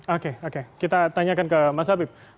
oke oke kita tanyakan ke mas habib